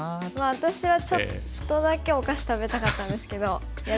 私はちょっとだけお菓子食べたかったんですけどいや